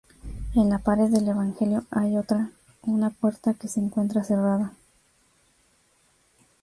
En la pared del Evangelio hay otra una puerta que se encuentra cerrada.